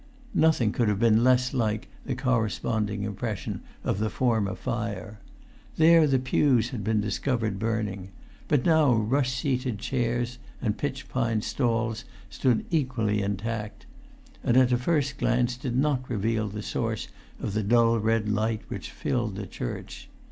Nothing could have been less like the corresponding impression of the former fire. Then the pews had been discovered burning; but now rush seated chairs and pitch pine stalls stood equally intact; and a first glance did not reveal the source of the dull red light which filled the church.